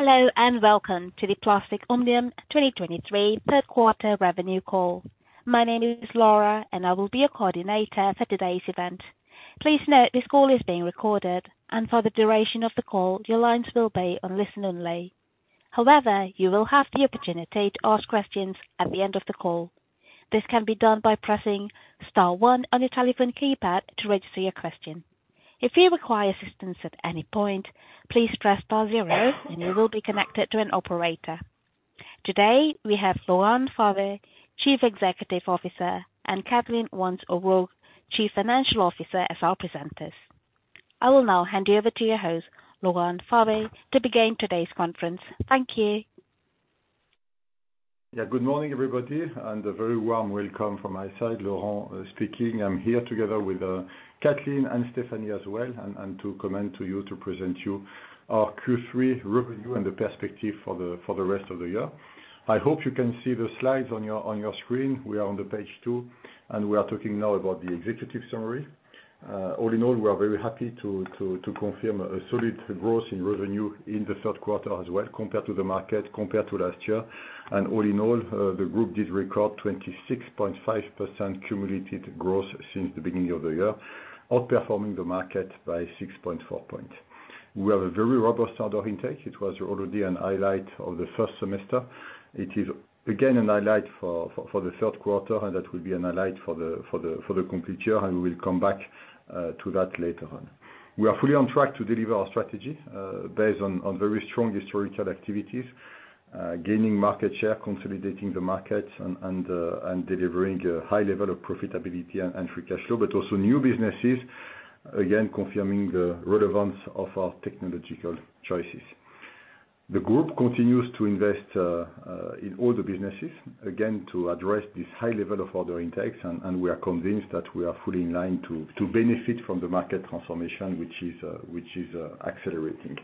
Hello, and welcome to the Plastic Omnium 2023 third quarter revenue call. My name is Laura, and I will be your coordinator for today's event. Please note this call is being recorded, and for the duration of the call, your lines will be on listen-only. However, you will have the opportunity to ask questions at the end of the call. This can be done by pressing star one on your telephone keypad to register your question. If you require assistance at any point, please press star zero, and you will be connected to an operator. Today, we have Laurent Favre, Chief Executive Officer, and Kathleen Wantz-O’Rourke, Chief Financial Officer, as our presenters. I will now hand you over to your host, Laurent Favre, to begin today's conference. Thank you. Yeah. Good morning, everybody, and a very warm welcome from my side. Laurent speaking. I'm here together with Kathleen and Stephane as well, and to comment to you to present you our Q3 revenue and the perspective for the rest of the year. I hope you can see the slides on your screen. We are on page 2, and we are talking now about the executive summary. All in all, we are very happy to confirm a solid growth in revenue in the third quarter as well, compared to the market, compared to last year. And all in all, the group did record 26.5% cumulative growth since the beginning of the year, outperforming the market by 6.4 points. We have a very robust order intake. It was already a highlight of the first semester. It is, again, a highlight for the third quarter, and that will be a highlight for the complete year, and we will come back to that later on. We are fully on track to deliver our strategy based on very strong historical activities, gaining market share, consolidating the markets and delivering a high level of profitability and free cash flow, but also new businesses, again, confirming the relevance of our technological choices. The group continues to invest in all the businesses, again, to address this high level of order intakes, and we are convinced that we are fully in line to benefit from the market transformation, which is accelerating.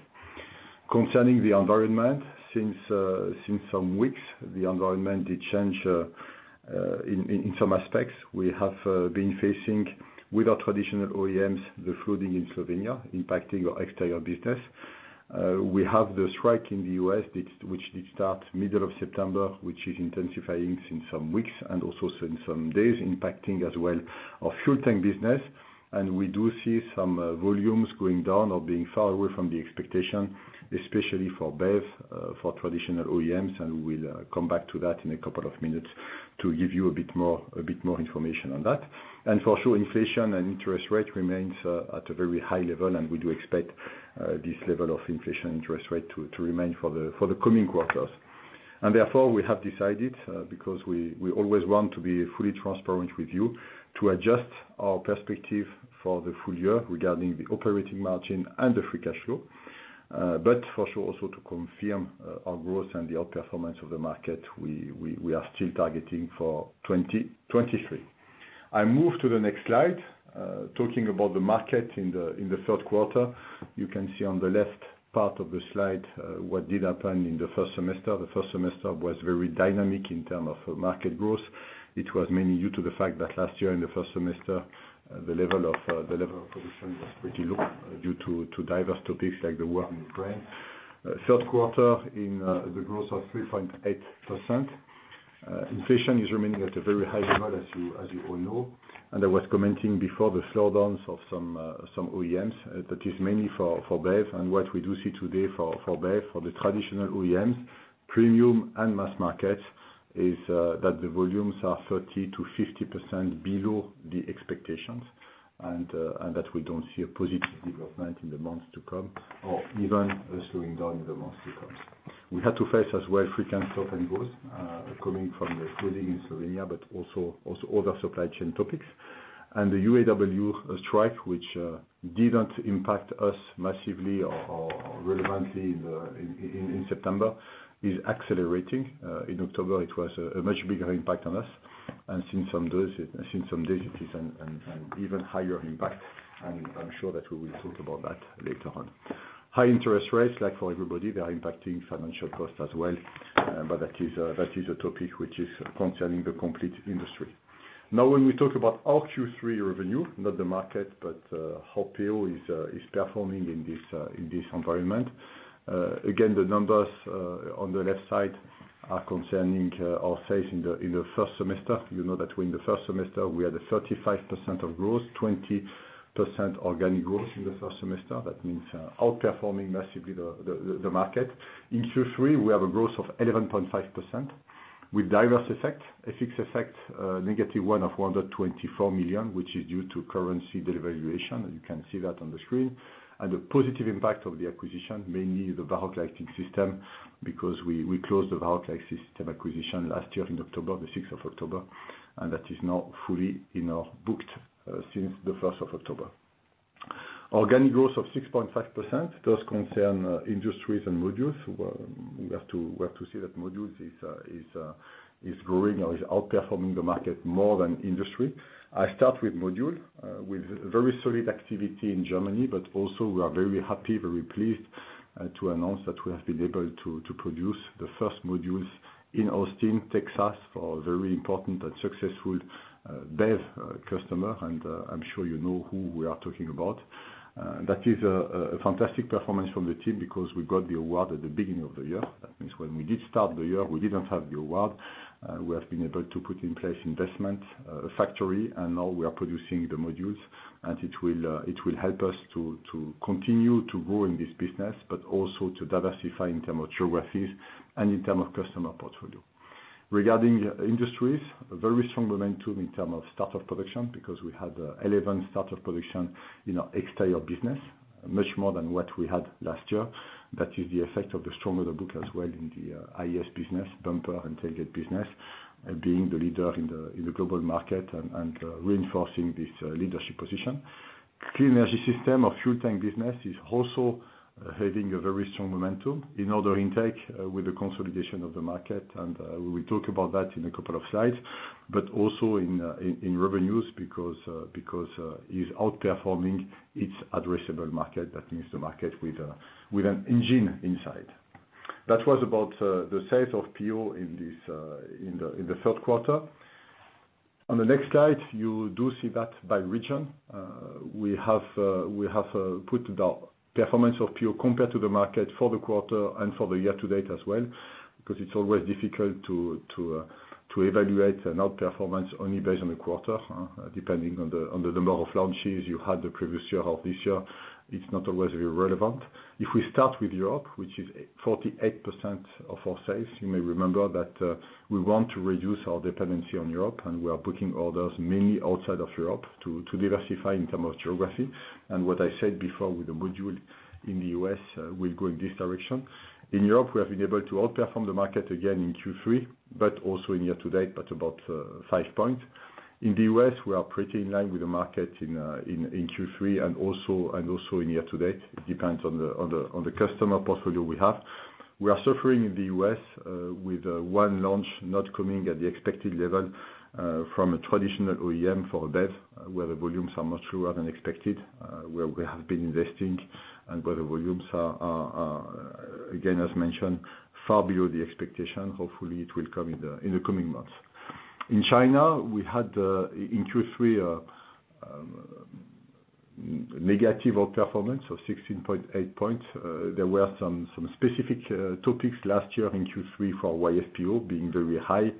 Concerning the environment, since some weeks, the environment did change in some aspects. We have been facing, with our traditional OEMs, the flooding in Slovenia impacting our exterior business. We have the strike in the U.S. which did start middle of September, which is intensifying since some weeks and also in some days, impacting as well our fuel tank business. And we do see some volumes going down or being far away from the expectation, especially for BEV for traditional OEMs, and we'll come back to that in a couple of minutes to give you a bit more, a bit more information on that. And for sure, inflation and interest rate remains at a very high level, and we do expect this level of inflation interest rate to remain for the coming quarters. Therefore, we have decided, because we always want to be fully transparent with you, to adjust our perspective for the full year regarding the operating margin and the free cash flow. But for sure, also to confirm, our growth and the outperformance of the market, we are still targeting for 2023. I move to the next slide. Talking about the market in the third quarter, you can see on the left part of the slide, what did happen in the first semester. The first semester was very dynamic in terms of market growth. It was mainly due to the fact that last year, in the first semester, the level of production was pretty low due to diverse topics like the war in Ukraine. Third quarter in, the growth of 3.8%. Inflation is remaining at a very high level, as you, as you all know, and I was commenting before the slowdowns of some, some OEMs. That is mainly for BEV. And what we do see today for BEV, for the traditional OEMs, premium and mass markets, is that the volumes are 30%-50% below the expectations, and that we don't see a positive development in the months to come or even a slowing down in the months to come. We had to face as well frequent stop & go coming from the flooding in Slovenia, but also other supply chain topics. And the UAW strike, which didn't impact us massively or relevantly in September, is accelerating. In October, it was a much bigger impact on us. And since some days, it is an even higher impact, and I'm sure that we will talk about that later on. High interest rates, like for everybody, they are impacting financial costs as well, but that is a topic which is concerning the complete industry. Now, when we talk about our Q3 revenue, not the market, but how PO is performing in this environment. Again, the numbers on the left side are concerning our sales in the first semester. You know that in the first semester, we had 35% of growth, 20% organic growth in the first semester. That means, outperforming massively the market. In Q3, we have a growth of 11.5% with adverse effect, a FX effect, negative 124 million, which is due to currency devaluation. You can see that on the screen. And the positive impact of the acquisition, mainly the Varroc Lighting Systems, because we, we closed the Varroc Lighting Systems acquisition last year in October, the sixth of October, and that is now fully in our books, since the first of October. Organic growth of 6.5%, those concerning industries and modules. Well, we have to, we have to see that modules is, is, is growing or is outperforming the market more than industry. I start with modules with very solid activity in Germany, but also we are very happy, very pleased, to announce that we have been able to produce the first modules in Austin, Texas, for a very important and successful BEV customer. And, I'm sure you know who we are talking about. That is a fantastic performance from the team because we got the award at the beginning of the year. That means when we did start the year, we didn't have the award, we have been able to put in place investment, factory, and now we are producing the modules, and it will help us to continue to grow in this business, but also to diversify in terms of geographies and in terms of customer portfolio. Regarding industries, a very strong momentum in term of start of production, because we had 11 start of production in our exterior business, much more than what we had last year. That is the effect of the strong order book as well in the IES business, bumper and tailgate business, and being the leader in the global market and reinforcing this leadership position. Clean Energy Systems of fuel tank business is also having a very strong momentum in order intake with the consolidation of the market, and we will talk about that in a couple of slides. But also in revenues because is outperforming its addressable market. That means the market with an engine inside. That was about the sales of PO in the third quarter. On the next slide, you do see that by region. We have put the performance of PO compared to the market for the quarter and for the year to date as well, 'cause it's always difficult to evaluate an outperformance only based on the quarter, depending on the number of launches you had the previous year or this year. It's not always relevant. If we start with Europe, which is 48% of our sales, you may remember that we want to reduce our dependency on Europe, and we are putting orders mainly outside of Europe to diversify in terms of geography. And what I said before, with the module in the US, will go in this direction. In Europe, we have been able to outperform the market again in Q3, but also in year-to-date, but about 5 points. In the US, we are pretty in line with the market in Q3 and also in year-to-date. It depends on the customer portfolio we have. We are suffering in the US with one launch not coming at the expected level from a traditional OEM for a BEV, where the volumes are much lower than expected, where we have been investing, and where the volumes are, again, as mentioned, far below the expectation. Hopefully, it will come in the coming months. In China, we had in Q3 negative outperformance of 16.8 points. There were some specific topics last year in Q3 for YFPO being very high.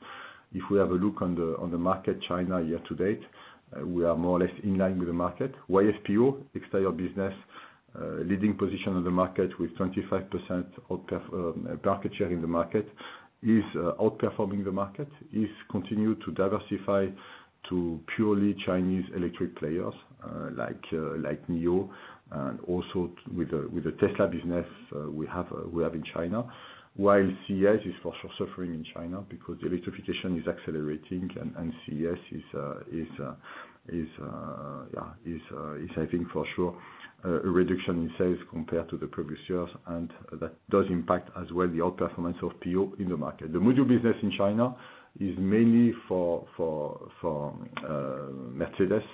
If we have a look on the market, China, year to date, we are more or less in line with the market. YFPO, exterior business, leading position on the market with 25% market share in the market, is outperforming the market, is continue to diversify to purely Chinese electric players, like, like NIO, and also with the Tesla business we have in China. While CES is for sure suffering in China because the electrification is accelerating and CES is having for sure a reduction in sales compared to the previous years, and that does impact as well the outperformance of PO in the market. The module business in China is mainly for Mercedes,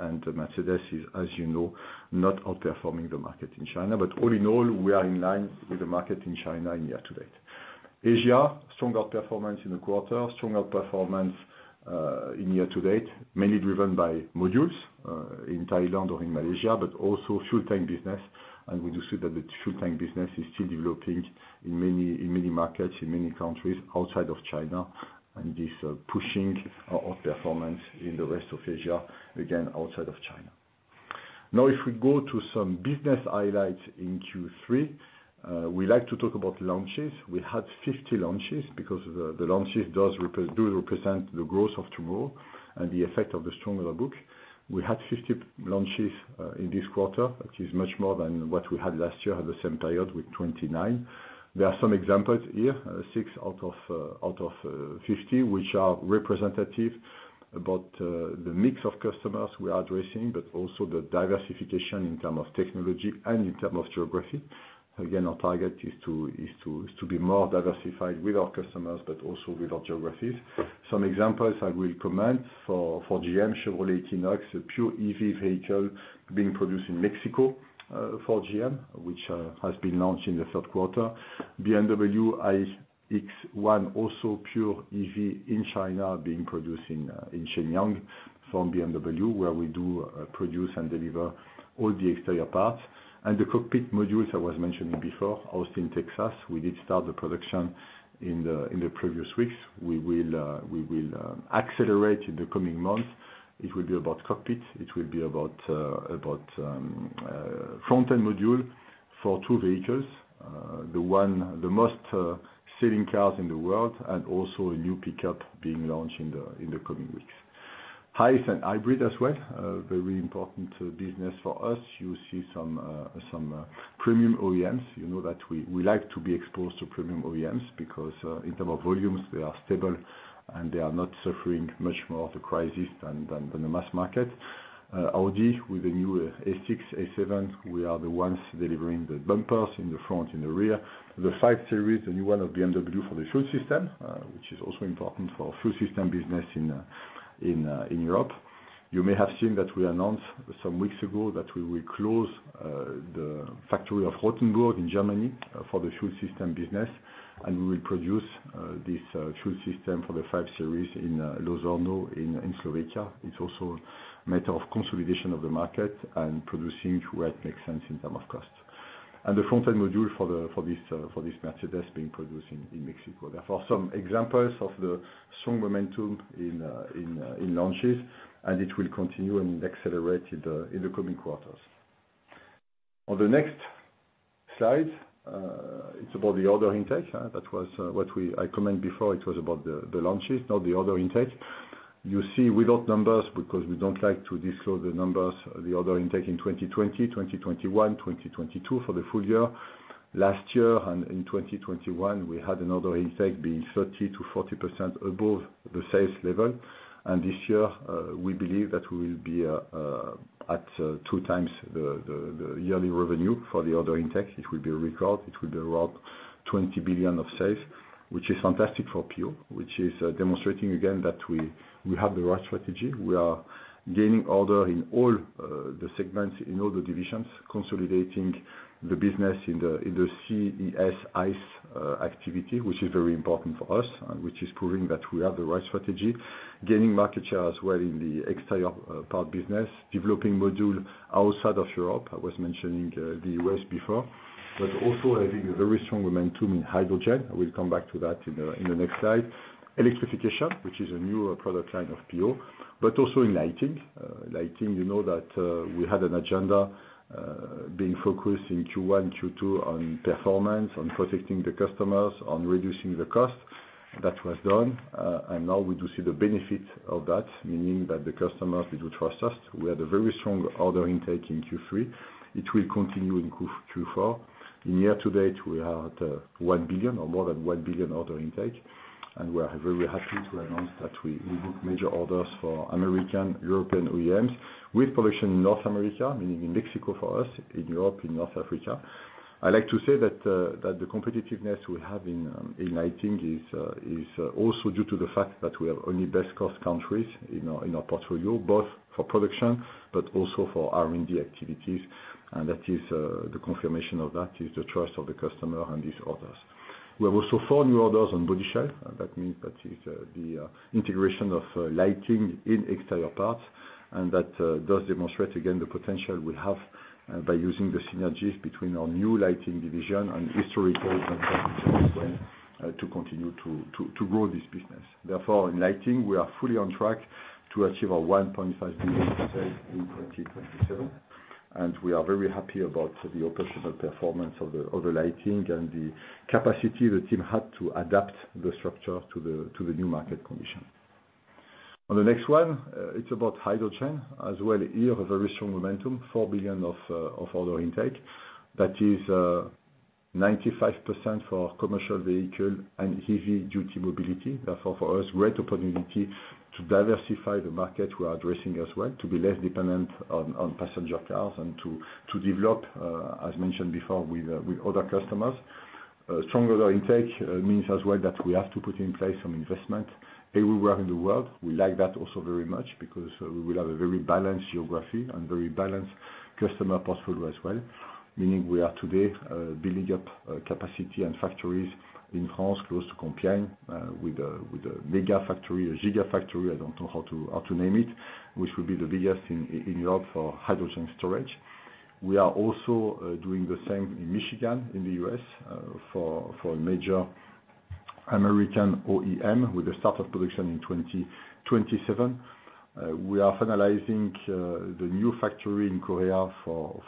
and Mercedes is, as you know, not outperforming the market in China. But all in all, we are in line with the market in China in year to date. Asia, strong outperformance in the quarter, strong outperformance in year to date, mainly driven by modules in Thailand or in Malaysia, but also fuel tank business. And we do see that the fuel tank business is still developing in many markets, in many countries outside of China, and is pushing our outperformance in the rest of Asia, again, outside of China. Now, if we go to some business highlights in Q3, we like to talk about launches. We had 50 launches because the launches do represent the growth of tomorrow and the effect of the stronger book. We had 50 launches in this quarter, which is much more than what we had last year at the same period with 29. There are some examples here, six out of 50, which are representative about the mix of customers we are addressing, but also the diversification in terms of technology and in terms of geography. Again, our target is to be more diversified with our customers, but also with our geographies. Some examples I will comment for GM, Chevrolet Equinox EV, a pure EV vehicle being produced in Mexico for GM, which has been launched in the third quarter. BMW iX1, also pure EV in China, being produced in Shenyang from BMW, where we do produce and deliver all the exterior parts. The cockpit modules I was mentioning before, Austin, Texas, we did start the production in the previous weeks. We will accelerate in the coming months. It will be about cockpits. It will be about front-end module for two vehicles, the most selling cars in the world, and also a new pickup being launched in the coming weeks. Hybrids and hybrid as well, a very important business for us. You see some premium OEMs. You know that we like to be exposed to premium OEMs because in term of volumes, they are stable, and they are not suffering much more of the crisis than the mass market. Audi, with the new A6, A7, we are the ones delivering the bumpers in the front and the rear. The 5 Series, the new one of BMW for the fuel system, which is also important for our fuel system business in Europe. You may have seen that we announced some weeks ago that we will close the factory of Rottenburg in Germany for the fuel system business, and we will produce this fuel system for the 5 Series in Lozorno, in Slovakia. It's also a matter of consolidation of the market and producing where it makes sense in term of cost, and the Front-End Module for this Mercedes being produced in Mexico. Therefore, some examples of the strong momentum in launches, and it will continue and accelerate in the coming quarters. On the next slide, it's about the Order Intake. That was what we—I commented before, it was about the launches, now the order intake. You see without numbers, because we don't like to disclose the numbers, the order intake in 2020, 2021, 2022 for the full year. Last year, and in 2021, we had an order intake being 30%-40% above the sales level. And this year, we believe that we will be at two times the yearly revenue for the order intake. It will be a record. It will be around 20 billion of sales, which is fantastic for PO, which is demonstrating again that we have the right strategy. We are gaining order in all the segments, in all the divisions, consolidating the business in the CES ICE activity, which is very important for us, and which is proving that we have the right strategy. Gaining market share as well in the exterior part business, developing module outside of Europe. I was mentioning the U.S. before, but also having a very strong momentum in hydrogen. I will come back to that in the next slide. Electrification, which is a new product line of PO, but also in lighting. Lighting, you know, that we had an agenda being focused in Q1, Q2 on performance, on protecting the customers, on reducing the cost. That was done, and now we do see the benefit of that, meaning that the customers they do trust us. We had a very strong order intake in Q3. It will continue in Q4. In year to date, we are at, one billion or more than 1 billion order intake, and we are very happy to announce that we won major orders for American, European OEMs with production in North America, meaning in Mexico, for us, in Europe, in North Africa. I'd like to say that, that the competitiveness we have in, in lighting is, is also due to the fact that we have only best cost countries in our, in our portfolio, both for production but also for R&D activities, and that is, the confirmation of that, is the trust of the customer and these others. We have also four new orders on body shell. That means that is the integration of lighting in exterior parts, and that does demonstrate, again, the potential we have by using the synergies between our new lighting division and historical to continue to grow this business. Therefore, in lighting, we are fully on track to achieve our 1.5 billion in 2027, and we are very happy about the operational performance of the lighting and the capacity the team had to adapt the structure to the new market condition. On the next one, it's about hydrogen as well. Here, a very strong momentum, 4 billion of order intake. That is 95% for commercial vehicle and heavy-duty mobility. Therefore, for us, great opportunity to diversify the market we are addressing as well, to be less dependent on passenger cars and to develop, as mentioned before, with other customers. Stronger order intake means as well that we have to put in place some investment everywhere in the world. We like that also very much, because we will have a very balanced geography and very balanced customer portfolio as well, meaning we are today building up capacity and factories in France, close to Compiègne, with a mega factory, a giga factory, I don't know how to name it, which will be the biggest in Europe for hydrogen storage. We are also doing the same in Michigan, in the U.S., for a major American OEM, with the start of production in 2027. We are finalizing the new factory in Korea for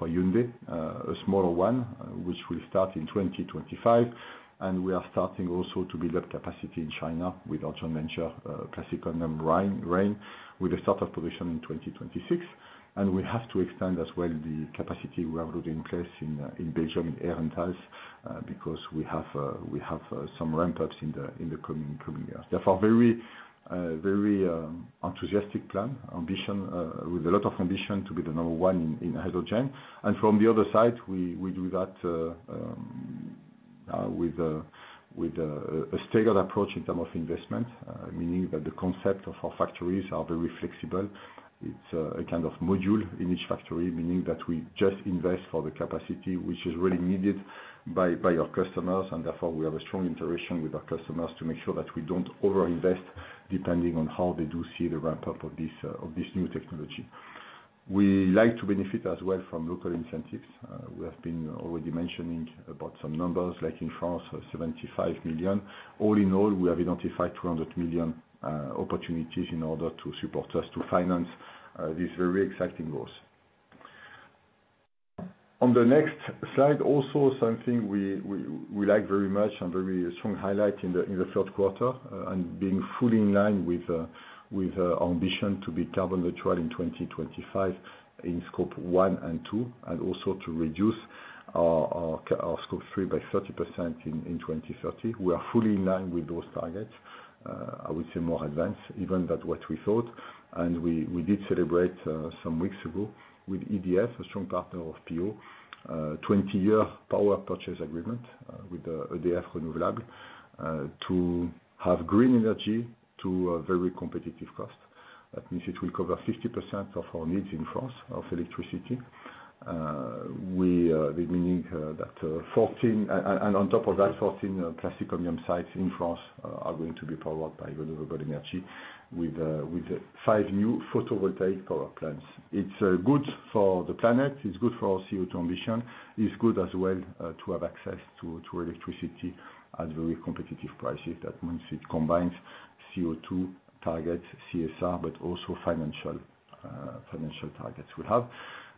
Hyundai, a smaller one, which will start in 2025. We are starting also to build up capacity in China with our joint venture, Yanfeng Plastic Omnium, with the start of production in 2026. We have to extend as well the capacity we are building in place in Belgium, in Herentals, because we have some ramp-ups in the coming years. Therefore, very enthusiastic plan, ambition, with a lot of ambition to be the number one in hydrogen. From the other side, we do that with a staggered approach in terms of investment, meaning that the concept of our factories are very flexible. It's a kind of module in each factory, meaning that we just invest for the capacity which is really needed by our customers, and therefore, we have a strong interaction with our customers to make sure that we don't overinvest, depending on how they do see the ramp up of this new technology. We like to benefit as well from local incentives. We have been already mentioning about some numbers, like in France, of 75 million. All in all, we have identified 200 million opportunities in order to support us to finance these very exciting goals. On the next slide, also something we like very much and very strong highlight in the third quarter, and being fully in line with our ambition to be carbon neutral in 2025, in Scope 1 and 2, and also to reduce our Scope 3 by 30% in 2030. We are fully in line with those targets, I would say more advanced even than what we thought. And we did celebrate some weeks ago with EDF, a strong partner of PO, 20-year power purchase agreement with the EDF Renouvelables to have green energy to a very competitive cost. That means it will cover 50% of our needs in France, of electricity. We, meaning that fourteen... And on top of that, 14 Plastic Omnium sites in France are going to be powered by renewable energy with five new photovoltaic power plants plans. It's good for the planet, it's good for our CO2 ambition. It's good as well to have access to electricity at very competitive prices. That means it combines CO2 targets, CSR, but also financial targets we have.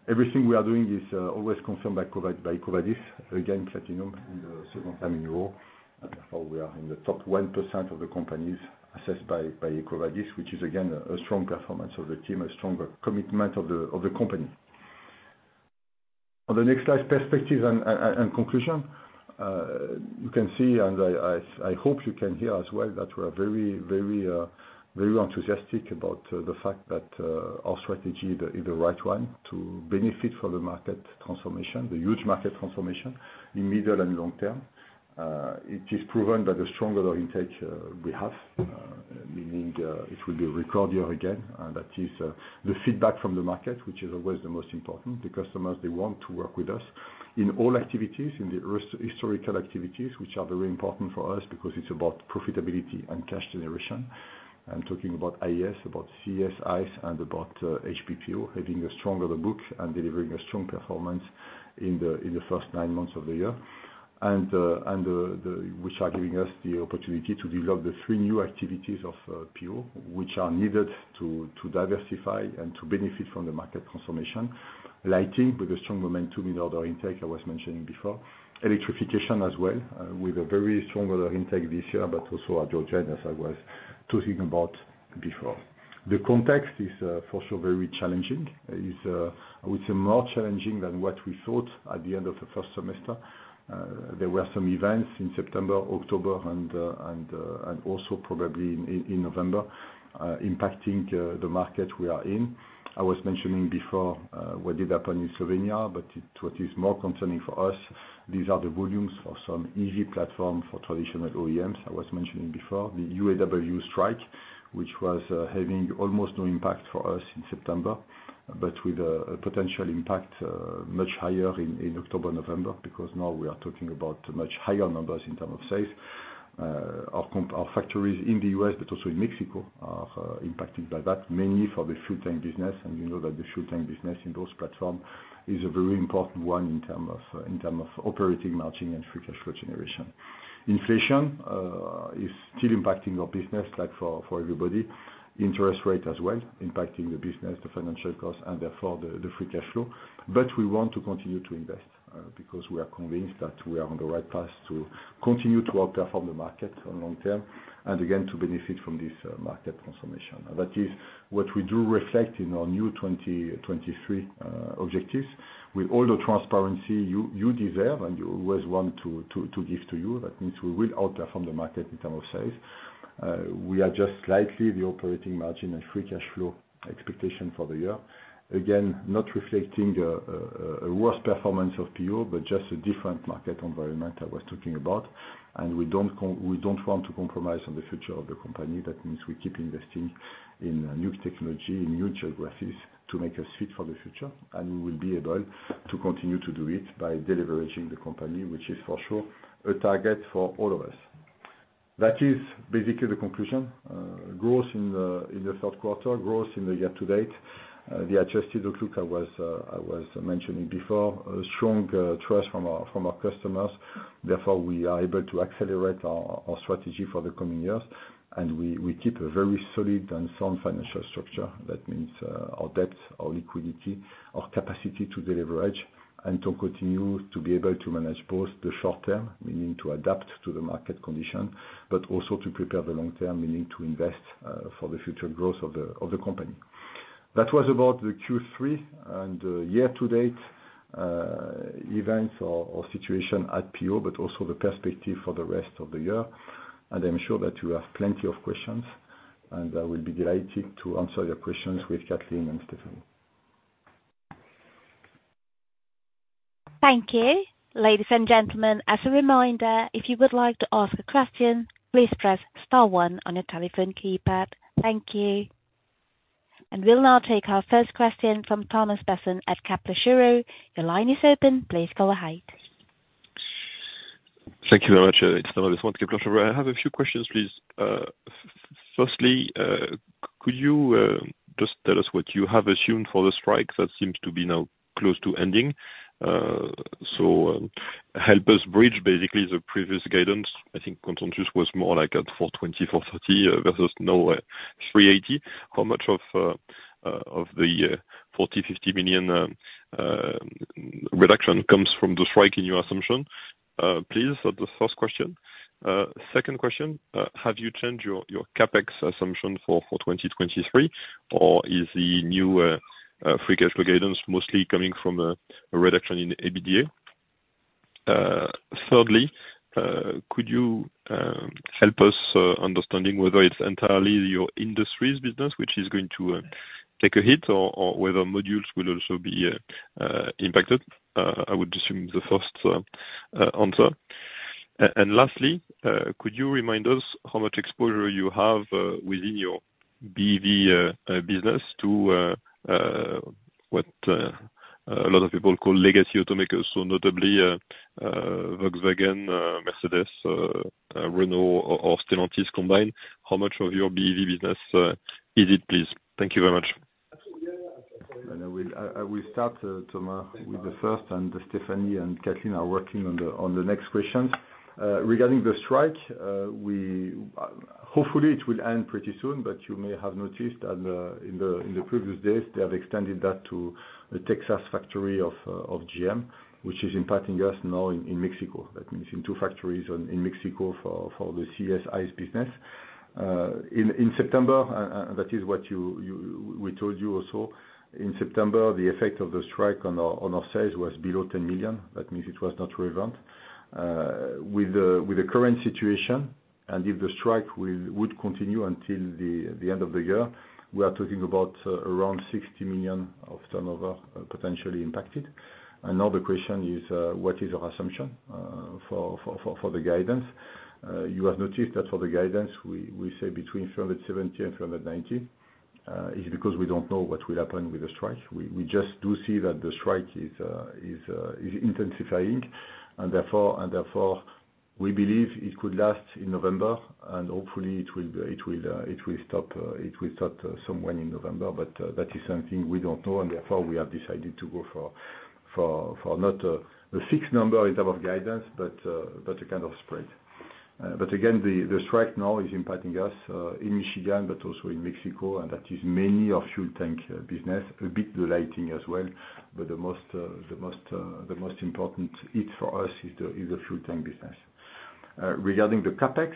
Everything we are doing is always confirmed by EcoVadis. Again, platinum in the second time in a row, and therefore, we are in the top 1% of the companies assessed by EcoVadis, which is, again, a strong performance of the team, a stronger commitment of the company. On the next slide, perspective and and conclusion. You can see, and I hope you can hear as well, that we are very, very, very enthusiastic about the fact that our strategy is the right one to benefit from the market transformation, the huge market transformation in middle and long term. It is proven by the stronger order intake we have, meaning it will be a record year again, and that is the feedback from the market, which is always the most important. The customers, they want to work with us in all activities, in the rest of historical activities, which are very important for us because it's about profitability and cash generation. I'm talking about IES, about CES, ICE and about HBPO, having a stronger book and delivering a strong performance in the first nine months of the year. Which are giving us the opportunity to develop the three new activities of PO, which are needed to diversify and to benefit from the market transformation. Lighting, with a strong momentum in order intake, I was mentioning before. Electrification as well, with a very strong order intake this year, but also our hydrogen, as I was talking about before. The context is, for sure very challenging. It's, I would say, more challenging than what we thought at the end of the first semester. There were some events in September, October, and also probably in November, impacting the market we are in. I was mentioning before, what did happen in Slovenia, but what is more concerning for us, these are the volumes for some EV platform for traditional OEMs. I was mentioning before, the UAW strike, which was having almost no impact for us in September, but with a potential impact much higher in October, November, because now we are talking about much higher numbers in terms of sales. Our factories in the U.S., but also in Mexico, are impacted by that, mainly for the fuel tank business. And we know that the fuel tank business in those platforms is a very important one in terms of operating margin and free cash flow generation. Inflation is still impacting our business, like for everybody. Interest rates as well, impacting the business, the financial costs, and therefore, the free cash flow. We want to continue to invest, because we are convinced that we are on the right path to continue to outperform the market on long term, and again, to benefit from this, market transformation. That is what we do reflect in our new 2023, objectives. With all the transparency you deserve, and you always want to give to you, that means we will outperform the market in terms of sales. We adjust slightly the operating margin and free cash flow expectation for the year. Again, not reflecting a worse performance of PO, but just a different market environment I was talking about. And we don't want to compromise on the future of the company. That means we keep investing in, new technology, in new geographies to make us fit for the future. We will be able to continue to do it by deleveraging the company, which is for sure a target for all of us. That is basically the conclusion. Growth in the third quarter, growth in the year to date. The adjusted outlook I was mentioning before, a strong trust from our customers. Therefore, we are able to accelerate our strategy for the coming years, and we keep a very solid and sound financial structure. That means our debt, our liquidity, our capacity to deleverage, and to continue to be able to manage both the short term, meaning to adapt to the market condition, but also to prepare the long term, meaning to invest for the future growth of the company. That was about the Q3 and year to date events or situation at PO, but also the perspective for the rest of the year. I'm sure that you have plenty of questions, and I will be delighted to answer your questions with Kathleen and Stephane. Thank you. Ladies and gentlemen, as a reminder, if you would like to ask a question, please press star one on your telephone keypad. Thank you. We'll now take our first question from Thomas Besson at Kepler Cheuvreux. Your line is open. Please go ahead. Thank you very much. It's Thomas with Kepler Cheuvreux. I have a few questions, please. Firstly, could you just tell us what you have assumed for the strike that seems to be now close to ending? So, help us bridge basically the previous guidance. I think consensus was more like at 420-430 versus now 380. How much of the 40 million-50 million reduction comes from the strike in your assumption? Please, that's the first question. Second question, have you changed your CapEx assumption for 2023, or is the new free cash flow guidance mostly coming from a reduction in EBITDA? Thirdly, could you help us understanding whether it's entirely your industry business which is going to take a hit, or whether modules will also be impacted? I would assume the first answer. And lastly, could you remind us how much exposure you have within your BEV business to what- A lot of people call legacy automakers, so notably, Volkswagen, Mercedes, Renault or Stellantis combined. How much of your BEV business is it, please? Thank you very much. And I will start, Thomas, with the first, and Stephane and Kathleen are working on the next question. Regarding the strike, hopefully it will end pretty soon, but you may have noticed that in the previous days, they have extended that to the Texas factory of GM, which is impacting us now in Mexico. That means in two factories in Mexico for the CES, ICE business. In September, that is what we told you also, in September, the effect of the strike on our sales was below 10 million. That means it was not relevant. With the current situation, and if the strike would continue until the end of the year, we are talking about around 60 million of turnover potentially impacted. Another question is, what is your assumption for the guidance? You have noticed that for the guidance, we say between 370 and 390. It's because we don't know what will happen with the strike. We just do see that the strike is intensifying, and therefore, we believe it could last in November, and hopefully it will stop somewhere in November. But that is something we don't know, and therefore, we have decided to go for not the fixed number in terms of guidance, but a kind of spread. But again, the strike now is impacting us in Michigan, but also in Mexico, and that is mainly our fuel tank business, a bit the lighting as well. But the most important hit for us is the fuel tank business. Regarding the CapEx,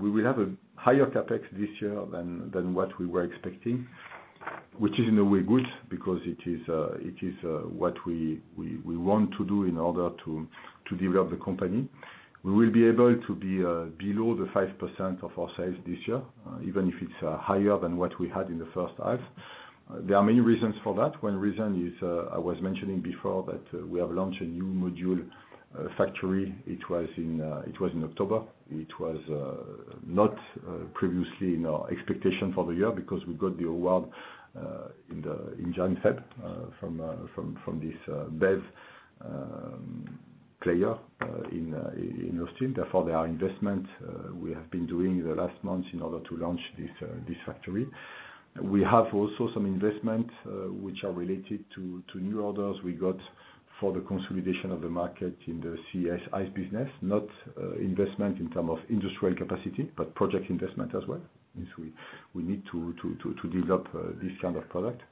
we will have a higher CapEx this year than what we were expecting. Which is, in a way, good, because it is what we want to do in order to develop the company. We will be able to be below 5% of our sales this year, even if it's higher than what we had in the first half. There are many reasons for that. One reason is, I was mentioning before that, we have launched a new module factory. It was in October. It was not previously in our expectation for the year, because we got the award in January from this BEV player in Austin. Therefore, there are investments we have been doing the last month in order to launch this factory. We have also some investments which are related to new orders we got for the consolidation of the market in the CES's business. Not investment in terms of industrial capacity, but project investment as well, since we need to develop this kind of product.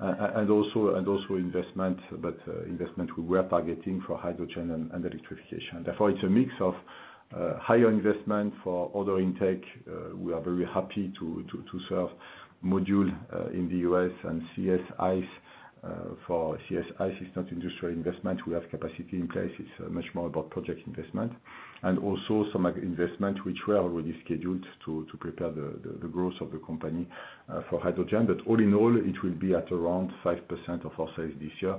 And also investment, but investment we were targeting for hydrogen and electrification. Therefore, it's a mix of higher investment for order intake. We are very happy to serve module in the U.S. and CES, ICE for CES, ICE it's not industrial investment. We have capacity in place. It's much more about project investment, and also some investment which were already scheduled to prepare the growth of the company for hydrogen. But all in all, it will be at around 5% of our sales this year,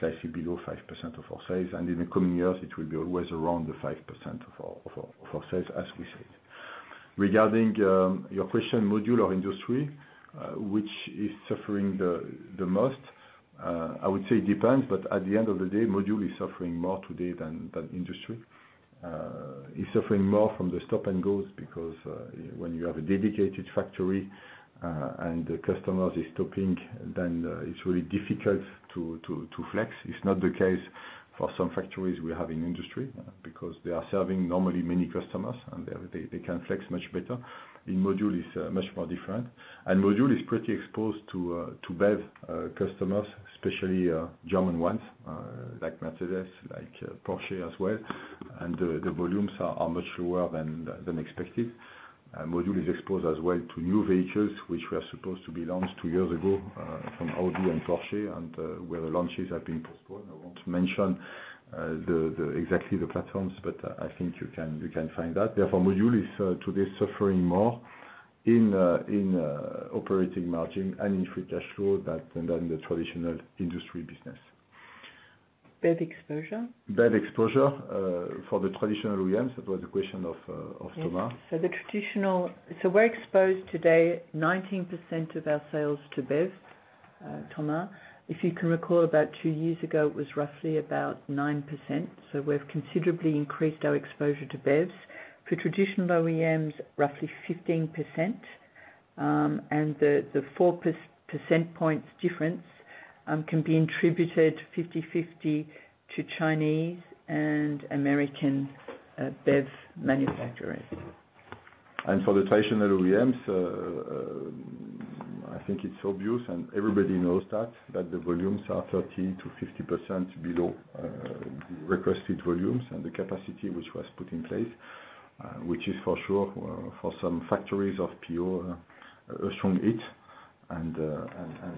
slightly below 5% of our sales. In the coming years, it will be always around the 5% of our sales, as we said. Regarding your question, module or industry, which is suffering the most, I would say depends, but at the end of the day, module is suffering more today than industry. It's suffering more from the stop & go, because when you have a dedicated factory and the customers is stopping, then it's really difficult to flex. It's not the case for some factories we have in industry because they are serving normally many customers, and they can flex much better. In module, it's much more different, and module is pretty exposed to BEV customers, especially German ones, like Mercedes, like Porsche as well. The volumes are much lower than expected. Module is exposed as well to new vehicles, which were supposed to be launched 2 years ago from Audi and Porsche, and where the launches have been postponed. I don't want to mention exactly the platforms, but I think you can find that. Therefore, module is today suffering more in operating margin and in free cash flow than the traditional industry business. BEV exposure? BEV exposure for the traditional OEMs, that was the question of Thomas. So we're exposed today 19% of our sales to BEVs, Thomas. If you can recall, about two years ago, it was roughly about 9%, so we've considerably increased our exposure to BEVs. For traditional OEMs, roughly 15%, and the 4 percentage points difference can be attributed 50/50 to Chinese and American BEV manufacturers. For the traditional OEMs, I think it's obvious, and everybody knows that, that the volumes are 30%-50% below requested volumes and the capacity which was put in place. Which is for sure, for some factories of PO, a strong hit, and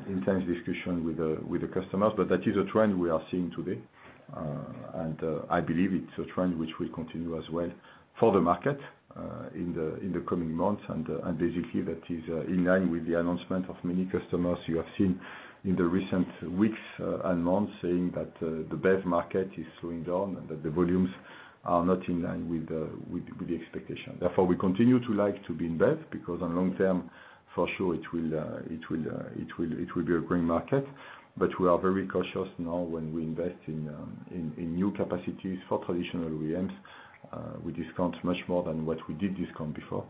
intense discussion with the, with the customers. But that is a trend we are seeing today. And I believe it's a trend which will continue as well for the market, in the coming months. And basically, that is in line with the announcement of many customers you have seen in the recent weeks, and months, saying that the BEV market is slowing down, and that the volumes are not in line with the, with the, with the expectation. Therefore, we continue to like to be in BEV, because on long term, for sure, it will be a growing market. But we are very cautious now when we invest in new capacities for traditional OEMs. We discount much more than what we did discount before.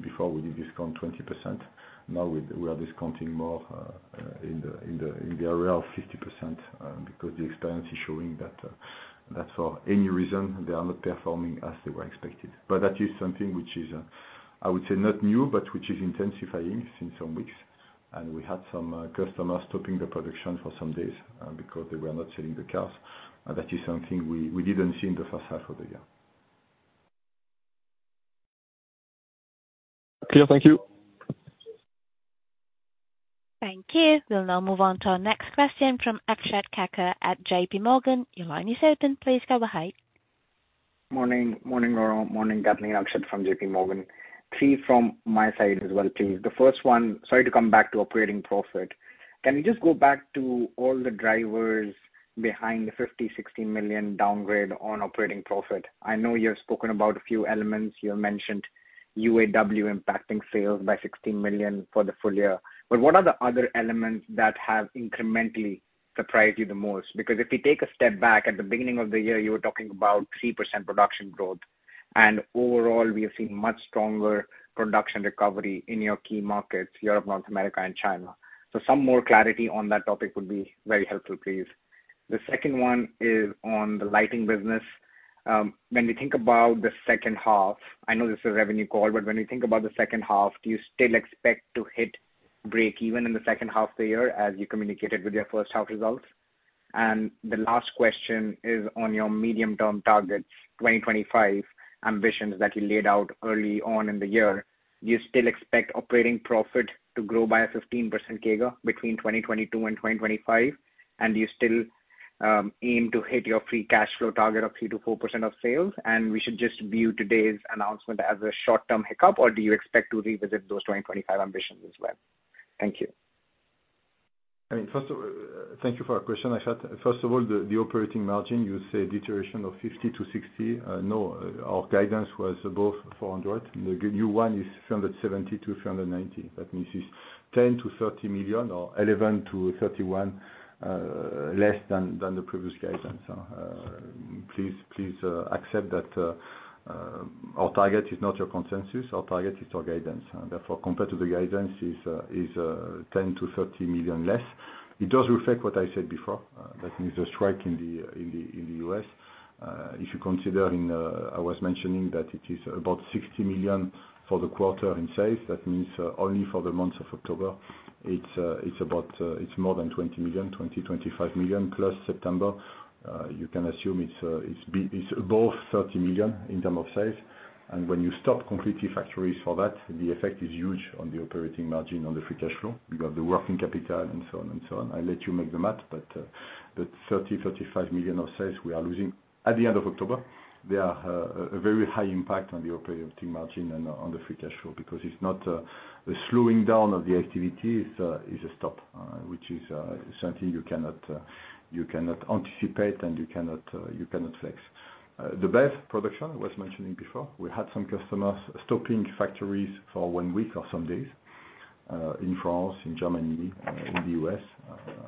Before we did discount 20%, now we are discounting more in the area of 50%, because the experience is showing that for any reason, they are not performing as they were expected. But that is something which is, I would say, not new, but which is intensifying since some weeks. And we had some customers stopping the production for some days, because they were not selling the cars. That is something we didn't see in the first half of the year. Clear. Thank you. Thank you. We'll now move on to our next question from Akshat Kaka at JPMorgan. Your line is open, please go ahead. Morning. Morning, Laurent. Morning, Kathleen, Akshat from JPMorgan. 3 from my side as well, please. The first one, sorry to come back to operating profit. Can you just go back to all the drivers behind the 50 million-60 million downgrade on operating profit? I know you have spoken about a few elements. You have mentioned UAW impacting sales by 16 million for the full year. But what are the other elements that have incrementally surprised you the most? Because if you take a step back, at the beginning of the year, you were talking about 3% production growth, and overall, we have seen much stronger production recovery in your key markets, Europe, North America, and China. So some more clarity on that topic would be very helpful, please. The second one is on the lighting business. When we think about the second half, I know this is a revenue call, but when you think about the second half, do you still expect to hit break even in the second half of the year, as you communicated with your first half results? And the last question is on your medium-term targets, 2025 ambitions that you laid out early on in the year. Do you still expect operating profit to grow by a 15% CAGR between 2022 and 2025? And do you still aim to hit your free cash flow target of 3%-4% of sales, and we should just view today's announcement as a short-term hiccup, or do you expect to revisit those 2025 ambitions as well? Thank you. I mean, thank you for your question, Akshat. First of all, the operating margin, you say deterioration of 50-60. No, our guidance was above 400. The new one is 370-390. That means it's 10 million-30 million or 11-31 million less than the previous guidance. So, please accept that our target is not your consensus. Our target is our guidance. Therefore, compared to the guidance, it is 10 million-30 million less. It does reflect what I said before. That means a strike in the US. If you consider, I was mentioning that it is about 60 million for the quarter in sales. That means, only for the month of October, it's about, it's more than 20 million, 25 million+ September. You can assume it's above 30 million in terms of sales. When you stop completely factories for that, the effect is huge on the operating margin, on the free cash flow, because the working capital and so on and so on. I let you make the math, but, but 35 million of sales we are losing. At the end of October, there is a very high impact on the operating margin and on the free cash flow, because it's not a slowing down of the activity, it's a stop, which is something you cannot anticipate and you cannot fix. The BEV production I was mentioning before, we had some customers stopping factories for one week or some days, in France, in Germany, in the U.S.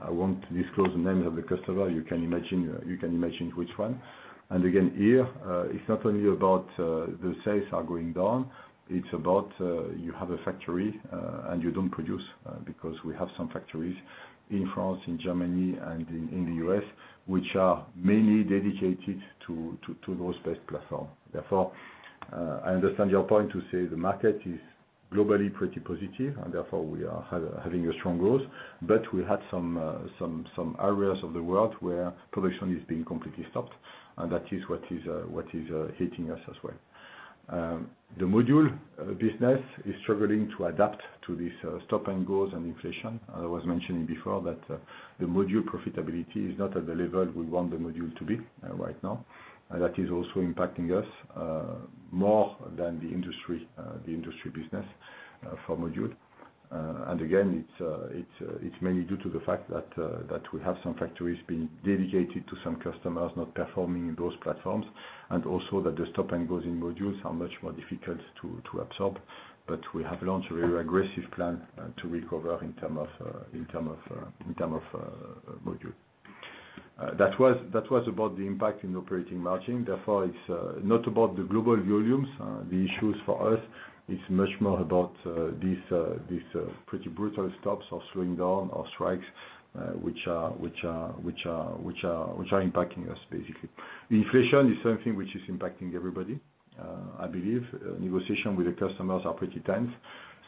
I won't disclose the name of the customer. You can imagine, you can imagine which one. And again, here, it's not only about, the sales are going down, it's about, you have a factory, and you don't produce. Because we have some factories in France, in Germany, and in the U.S., which are mainly dedicated to those BEV platform. Therefore, I understand your point to say the market is globally pretty positive, and therefore we are having a strong growth. But we had some areas of the world where production is being completely stopped, and that is what is hitting us as well. The module business is struggling to adapt to this stop-and-goes and inflation. I was mentioning before that the module profitability is not at the level we want the module to be right now. And that is also impacting us more than the industry the industry business for module. And again, it's mainly due to the fact that we have some factories being dedicated to some customers not performing in those platforms, and also that the stop-and-goes in modules are much more difficult to absorb. But we have launched a very aggressive plan to recover in term of module. That was about the impact in operating margin. Therefore, it's not about the global volumes. The issues for us is much more about these pretty brutal stops or slowing down or strikes, which are impacting us, basically. The inflation is something which is impacting everybody. I believe negotiation with the customers are pretty tense.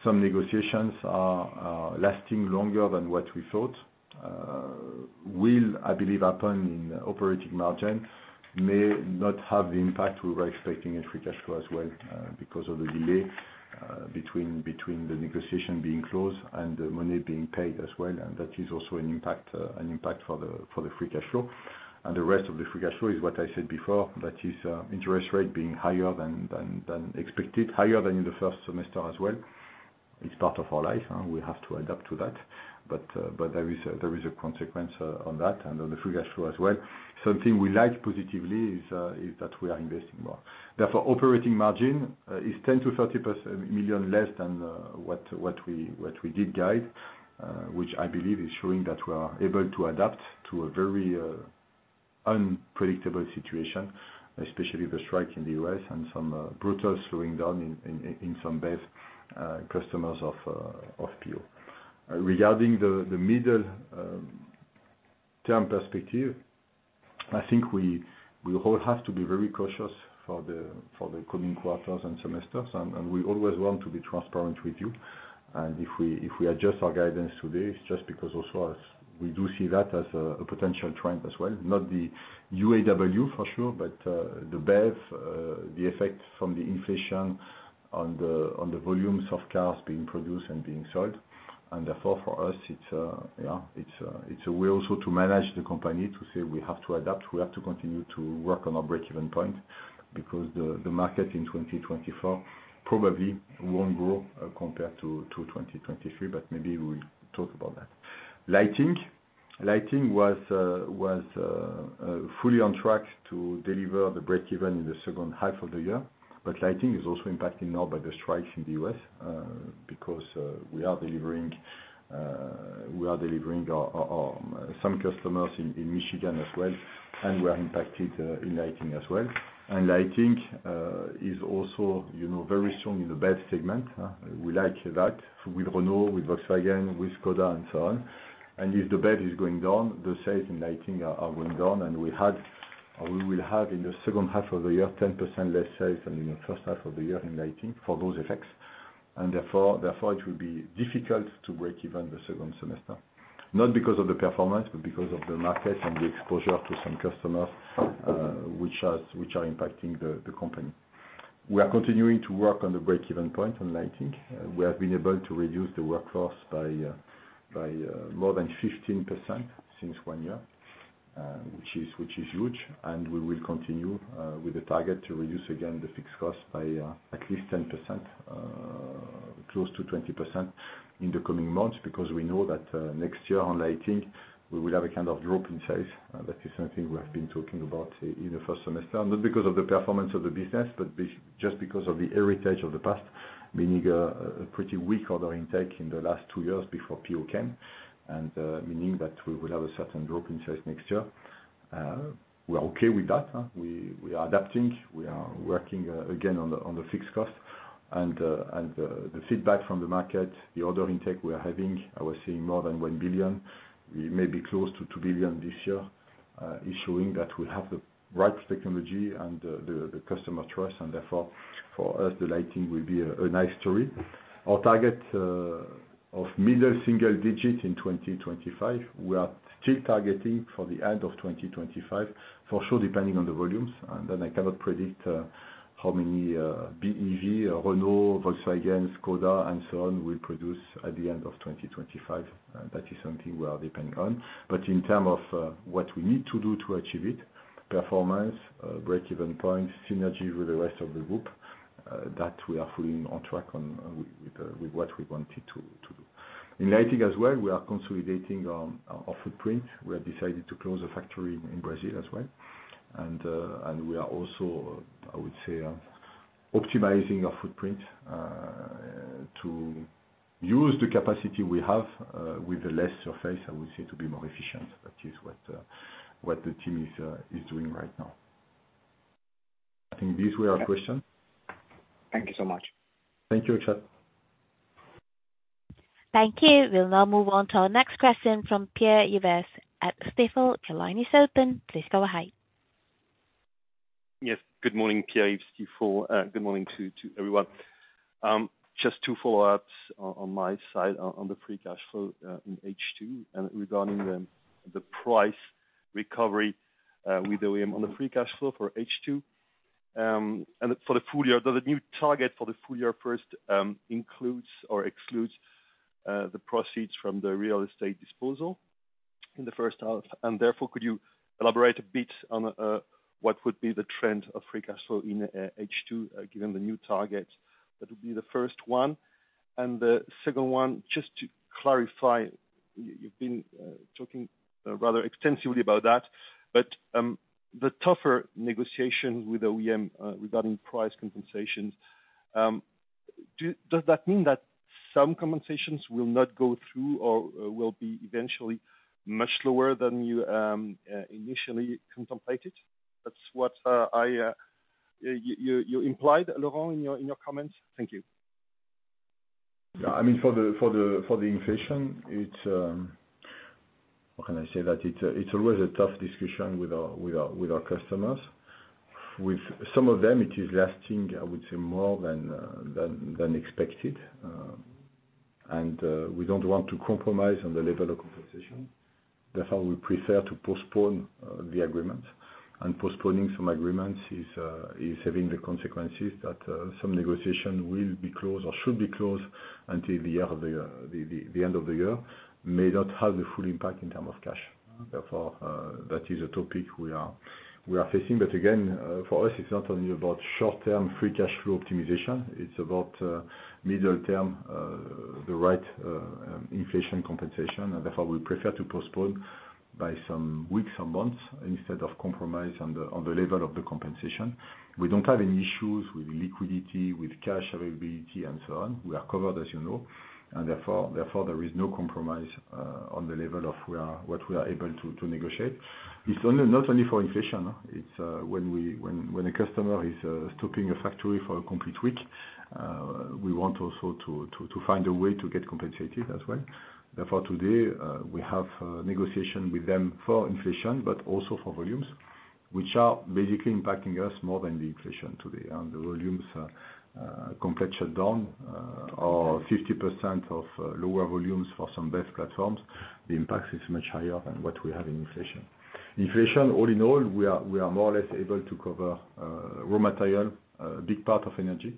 Some negotiations are lasting longer than what we thought. Well, I believe, upon in operating margin, may not have the impact we were expecting in free cash flow as well, because of the delay between the negotiation being closed and the money being paid as well, and that is also an impact for the free cash flow. The rest of the free cash flow is what I said before, that is, interest rate being higher than expected, higher than in the first semester as well. It's part of our life, we have to adapt to that. But there is a consequence on that and on the free cash flow as well. Something we like positively is that we are investing more. Therefore, operating margin is 10 million-30 million less than what we did guide, which I believe is showing that we are able to adapt to a very unpredictable situation, especially the strike in the U.S. and some brutal slowing down in some BEV customers of PO. Regarding the middle-term perspective, I think we all have to be very cautious for the coming quarters and semesters, and we always want to be transparent with you. If we adjust our guidance today, it's just because also as we do see that as a potential trend as well, not the UAW for sure, but the BEV, the effect from the inflation on the volumes of cars being produced and being sold. Therefore, for us, it's a way also to manage the company, to say we have to adapt, we have to continue to work on our break-even point, because the market in 2024 probably won't grow, compared to 2023, but maybe we'll talk about that. Lighting. Lighting was fully on track to deliver the break-even in the second half of the year. But lighting is also impacted now by the strikes in the U.S., because we are delivering some customers in Michigan as well, and we are impacted in lighting as well. And lighting is also, you know, very strong in the BEV segment. We like that with Renault, with Volkswagen, with Škoda, and so on. And if the BEV is going down, the sales in lighting are going down. And we had, or we will have in the second half of the year, 10% less sales than in the first half of the year in lighting for those effects. And therefore, it will be difficult to break even the second semester. Not because of the performance, but because of the market and the exposure to some customers, which are impacting the company. We are continuing to work on the break-even point on lighting. We have been able to reduce the workforce by more than 15% since 1 year, which is huge, and we will continue with the target to reduce again the fixed cost by at least 10%, close to 20% in the coming months, because we know that next year on lighting, we will have a kind of drop in sales. That is something we have been talking about in the first semester, not because of the performance of the business, but just because of the heritage of the past, meaning a pretty weak order intake in the last 2 years before PO came, and meaning that we will have a certain drop in sales next year. We are okay with that, huh? We are adapting, we are working again on the fixed cost. And the feedback from the market, the order intake we are having, we're seeing more than 1 billion. We may be close to 2 billion this year, ensuring that we have the right technology and the customer trust, and therefore, for us, the lighting will be a nice story. Our target of middle single digits in 2025, we are still targeting for the end of 2025, for sure, depending on the volumes. And then I cannot predict how many BEV, Renault, Volkswagen, Škoda, and so on, will produce at the end of 2025. That is something we are depending on. But in terms of what we need to do to achieve it, performance, break-even point, synergy with the rest of the group, that we are fully on track on, with what we wanted to do. In lighting as well, we are consolidating our footprint. We have decided to close a factory in Brazil as well. We are also, I would say, optimizing our footprint to use the capacity we have with the less surface, I would say, to be more efficient. That is what the team is doing right now. I think these were our question? Thank you so much. Thank you, Akshat. Thank you. We'll now move on to our next question from Pierre-Yves at Stifel. Your line is open. Please go ahead. Yes, good morning, Pierre-Yves, Stifel. Good morning to everyone. Just two follow-ups on my side on the free cash flow in H2, and regarding the price recovery with OEM on the free cash flow for H2. And for the full year, does the new target for the full year first includes or excludes the proceeds from the real estate disposal in the first half? And therefore, could you elaborate a bit on what would be the trend of free cash flow in H2 given the new target? That would be the first one. The second one, just to clarify, you've been talking rather extensively about that, but the tougher negotiations with OEM regarding price compensations, does that mean that some compensations will not go through or will be eventually much lower than you initially contemplated? That's what you implied, Laurent, in your comments. Thank you. Yeah. I mean, for the inflation, it's how can I say that? It's always a tough discussion with our customers. With some of them, it is lasting, I would say, more than expected. And we don't want to compromise on the level of compensation. That's how we prefer to postpone the agreement. And postponing some agreements is having the consequences that some negotiation will be closed or should be closed until the end of the year, may not have the full impact in term of cash. Therefore, that is a topic we are facing. But again, for us, it's not only about short-term free cash flow optimization, it's about middle term the right inflation compensation. Therefore, we prefer to postpone by some weeks and months, instead of compromise on the level of the compensation. We don't have any issues with liquidity, with cash availability, and so on. We are covered, as you know, and therefore, there is no compromise on the level of what we are able to negotiate. It's not only for inflation, it's when a customer is stopping a factory for a complete week, we want also to find a way to get compensated as well. Therefore, today, we have negotiation with them for inflation, but also for volumes, which are basically impacting us more than the inflation today. The volumes are complete shutdown or 50% lower volumes for some best platforms. The impact is much higher than what we have in inflation. Inflation, all in all, we are more or less able to cover raw material, a big part of energy,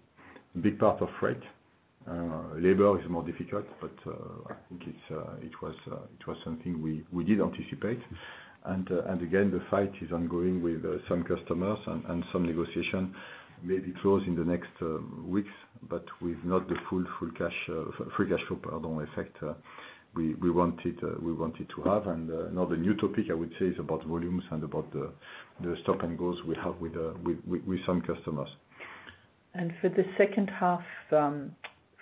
a big part of freight. Labor is more difficult, but I think it was something we did anticipate. And again, the fight is ongoing with some customers and some negotiation may be closed in the next weeks, but with not the full free cash flow effect we wanted to have. And now the new topic I would say is about volumes and about the stop & go we have with some customers. For the second half,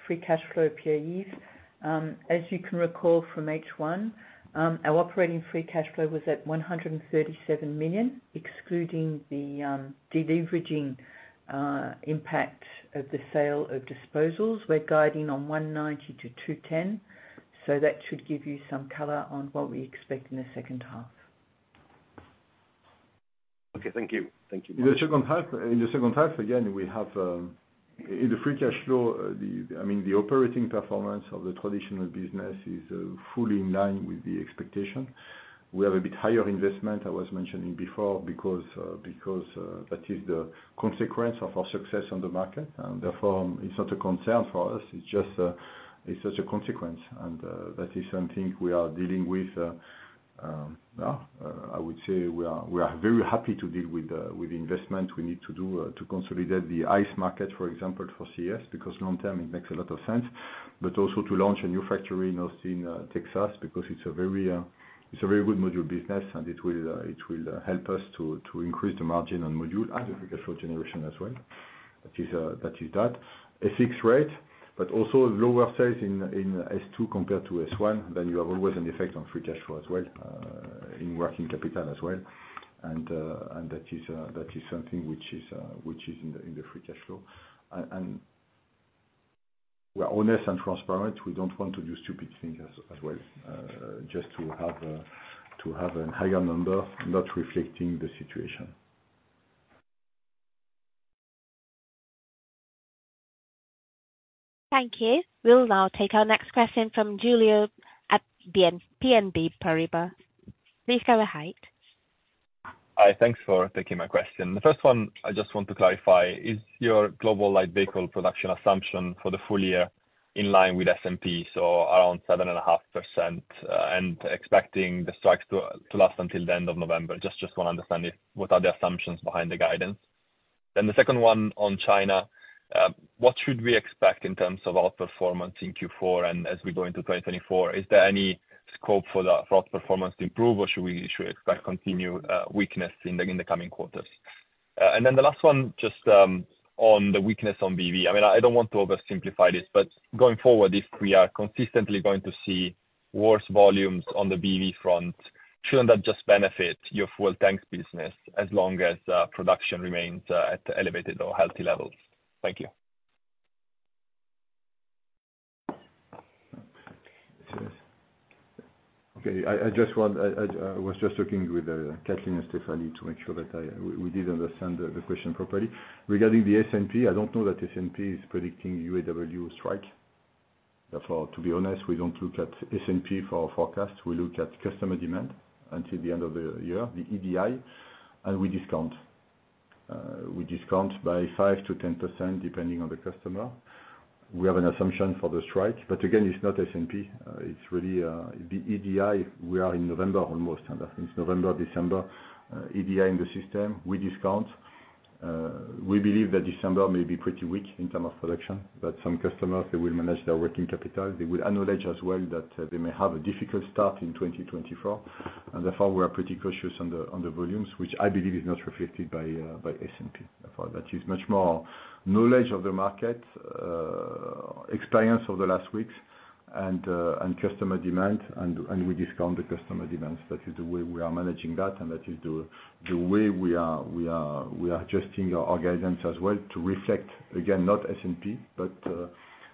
free cash flow, Pierre-Yves, as you can recall from H1, our operating free cash flow was at 137 million, excluding the deleveraging impact of the sale of disposals. We're guiding on 190 million-210 million, so that should give you some color on what we expect in the second half. Okay. Thank you. Thank you. In the second half, in the second half, again, we have in the free cash flow, I mean, the operating performance of the traditional business is fully in line with the expectation. We have a bit higher investment, I was mentioning before, because, because that is the consequence of our success on the market. And therefore, it's not a concern for us, it's just, it's just a consequence. And that is something we are dealing with. I would say we are, we are very happy to deal with the, with the investment we need to do to consolidate the ICE market, for example, for CES, because long term it makes a lot of sense. But also to launch a new factory in Austin, Texas, because it's a very, it's a very good module business, and it will, it will help us to, to increase the margin on module and the free cash flow generation as well. That is, that is that. 8.6 rate, but also lower sales in, in S2 compared to S1, then you have always an effect on free cash flow as well, in working capital as well. And, and that is, that is something which is, which is in the, in the free cash flow. And we're honest and transparent. We don't want to do stupid things as, as well, just to have a, to have a higher number, not reflecting the situation. Thank you. We'll now take our next question from Julio at BNP Paribas. Please go ahead. Hi. Thanks for taking my question. The first one, I just want to clarify, is your global light vehicle production assumption for the full year in line with S&P, so around 7.5%, and expecting the strikes to last until the end of November? Just want to understand what are the assumptions behind the guidance. Then the second one on China, what should we expect in terms of outperformance in Q4 and as we go into 2024? Is there any scope for the outperformance to improve, or should we expect continued weakness in the coming quarters? And then the last one, just on the weakness on BEV. I mean, I don't want to oversimplify this, but going forward, if we are consistently going to see worse volumes on the BEV front, shouldn't that just benefit your fuel tanks business, as long as production remains at elevated or healthy levels? Thank you. Okay. I just want... I was just talking with Kathleen and Stephane to make sure that I- we did understand the question properly. Regarding the S&P, I don't know that S&P is predicting UAW strike. Therefore, to be honest, we don't look at S&P for our forecast. We look at customer demand until the end of the year, the EDI, and we discount. We discount by 5%-10%, depending on the customer. We have an assumption for the strike, but again, it's not S&P. It's really the EDI. We are in November almost, and it's November, December EDI in the system. We discount. We believe that December may be pretty weak in terms of production, but some customers, they will manage their working capital. They will acknowledge as well that they may have a difficult start in 2024, and therefore we are pretty cautious on the volumes, which I believe is not reflected by S&P. Therefore, that is much more knowledge of the market experience over the last weeks, and customer demand, and we discount the customer demands. That is the way we are managing that, and that is the way we are adjusting our guidance as well to reflect, again, not S&P, but